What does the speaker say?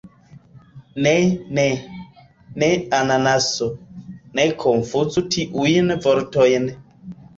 Ne ne. Ne ananaso. Ne konfuzu tiujn vortojn.